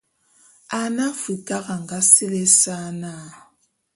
Ane Afrikara a nga sili ésa na.